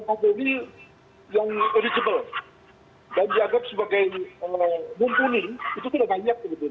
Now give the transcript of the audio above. kapolri yang eligible dan dianggap sebagai mumpuni itu sudah banyak kebetulan